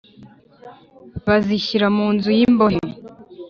bazishyira mu nzu y imbohe